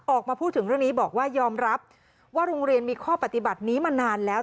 ออกมาพูดถึงเรื่องนี้บอกว่ายอมรับว่าโรงเรียนมีข้อปฏิบัตินี้มานานแล้ว